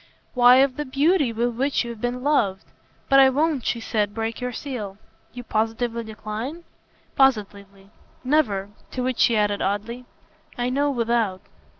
"Why of the beauty with which you've been loved. But I won't," she said, "break your seal." "You positively decline?" "Positively. Never." To which she added oddly: "I know without."